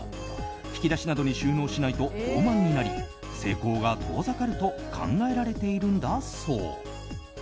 引き出しなどに収納しないと傲慢になり成功が遠ざかると考えられているんだそう。